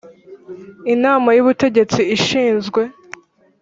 Inama y ubutegetsi ishinzwe